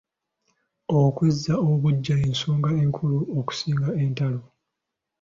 Okwezza obuggya y’ensonga enkulu okusinga entalo.